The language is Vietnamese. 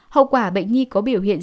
hậu quả bệnh nhi có biểu hiện